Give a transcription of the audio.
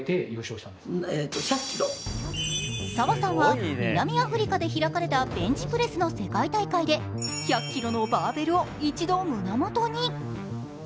澤さんは南アフリカで開かれたベンチプレスの世界大会で１００ｋｇのバーベルを一度胸元に。